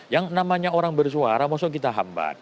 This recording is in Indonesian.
yang namanya orang bersuara maksudnya kita hambat